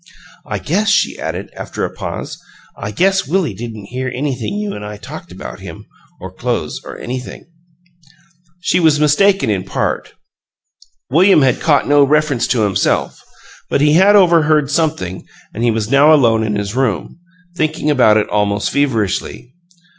"I guess," she added, after a pause "I guess Willie didn't hear anything you an' I talked about him, or clo'es, or anything." She was mistaken in part. William had caught no reference to himself, but he had overheard something and he was now alone in his room, thinking about it almost feverishly.